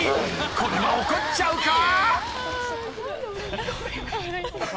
これは怒っちゃうか？］